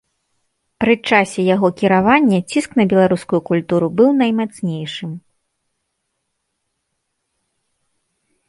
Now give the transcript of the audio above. Пры часе яго кіравання ціск на беларускую культуру быў наймацнейшым.